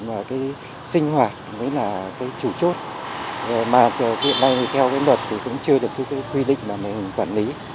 nguồn thải mà sinh hoạt mới là chủ chốt mà hiện nay theo luật thì cũng chưa được quy định mà mình quản lý